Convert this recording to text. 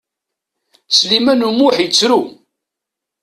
Sliman U Muḥ yettru.